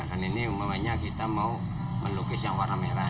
dan ini umumnya kita mau melukis yang warna merah